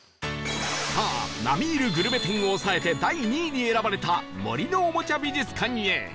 さあ並み居るグルメ店をおさえて第２位に選ばれた森のおもちゃ美術館へ